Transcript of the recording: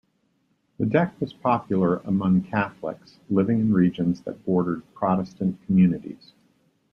This deck was popular among Catholics living in regions that bordered Protestant communities.